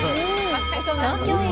東京駅